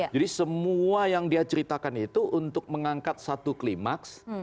jadi semua yang dia ceritakan itu untuk mengangkat satu klimaks